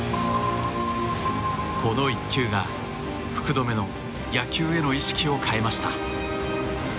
この一球が、福留の野球への意識を変えました。